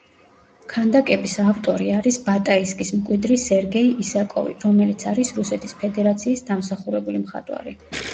ქანდაკების ავტორი არის ბატაისკის მკვიდრი სერგეი ისაკოვი, რომელიც არის რუსეთის ფედერაციის დამსახურებული მხატვარი.